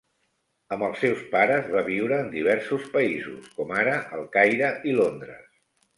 Amb els seus pares, va viure en diversos països, com ara el Caire i Londres.